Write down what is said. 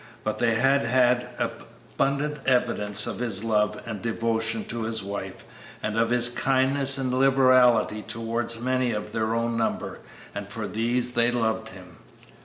But they had had abundant evidence of his love and devotion to his wife, and of his kindness and liberality towards many of their own number, and for these they loved him.